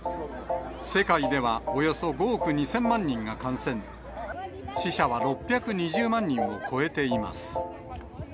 世界ではおよそ５億２０００万人が感染、死者は６２０万人を超えています。